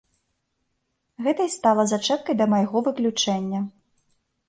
Гэта і стала зачэпкай да майго выключэння.